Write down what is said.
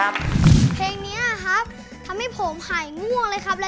เพลงนี้ทำให้ผมหายง่วงเลยคน